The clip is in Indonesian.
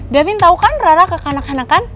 davin tau kan rara kekanak kanakan